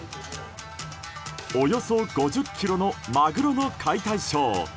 およそ５０ｋｇのマグロの解体ショー。